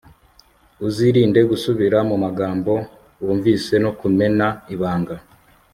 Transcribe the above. uzirinde gusubira mu magambo wumvise no kumena ibanga